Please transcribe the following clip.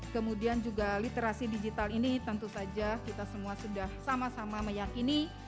kemudian juga literasi digital ini tentu saja kita semua sudah sama sama meyakini